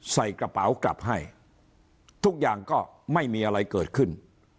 ใส่กระเป๋ากลับให้ทุกอย่างก็ไม่มีอะไรเกิดขึ้น